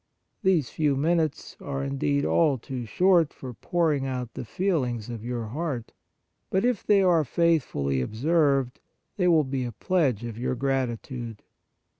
These few minutes are, indeed, all too short for pouring out the feelings of your heart ; but if they are faithfully observed, they will be a pledge of your gratitude.